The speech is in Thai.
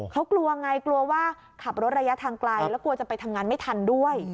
เขากลัวไงกลัวว่าขับรถระยะทางไกลแล้วกลัวจะไปทำงานไม่ทันด้วย